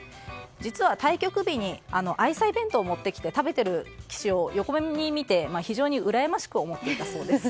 実は対局日に愛妻弁当を持ってきて食べている棋士を横目に見て非常に羨ましく思っていたそうです。